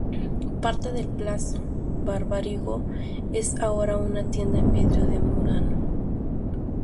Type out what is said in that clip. Parte del Palazzo Barbarigo es ahora una tienda de vidrio de Murano.